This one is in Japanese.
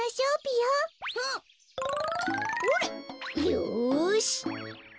よし！